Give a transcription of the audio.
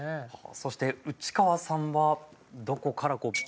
そして内川さんはどこから？